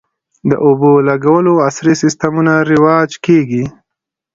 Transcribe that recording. د اوبولګولو عصري سیستمونه رواج کیږي